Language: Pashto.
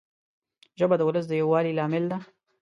ژبه د ولس د یووالي لامل ده